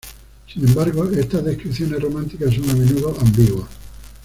Sin embargo, estas descripciones románticas son a menudo ambiguas.